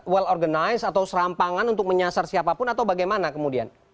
well organized atau serampangan untuk menyasar siapapun atau bagaimana kemudian